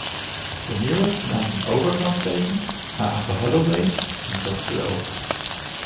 The nearest London Overground stations are "Upper Holloway" and "Gospel Oak"